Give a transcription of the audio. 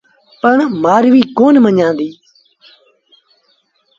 پر مآرويٚ ڪونا مڃيآݩديٚ۔